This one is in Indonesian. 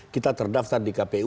kita terdaftar di kpu